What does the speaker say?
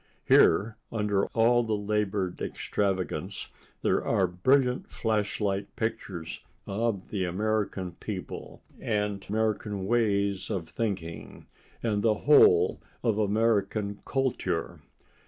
Here, under all the labored extravagance, there are brilliant flashlight pictures of the American people, and American ways of thinking, and the whole of American Kultur.